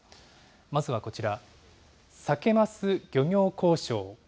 まずはこちら、サケ・マス漁業交渉。